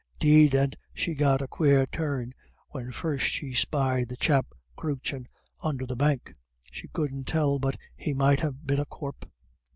'Deed and she got a quare turn when first she spied the chap croochin' under the bank she couldn't tell but he might ha' been a corp."